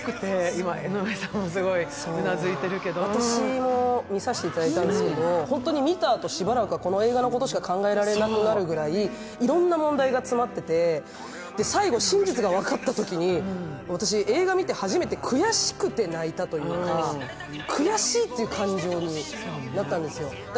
今、江上さんもうなずいているけど私も見させていただいたんですけど、しばらくはこの映画のことしか考えられなくなるくらいいろんな問題が詰まってて、最後、真実が分かったときに、私、映画見て初めて悔しくて泣いたというか、悔しいっていう感情になったんですよ。